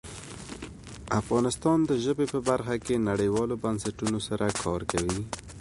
افغانستان د ژبې په برخه کې نړیوالو بنسټونو سره کار کوي.